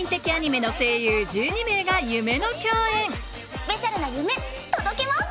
「スペシャルな夢届けます！」。